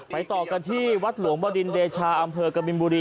ต่อกันที่วัดหลวงบดินเดชาอำเภอกบินบุรี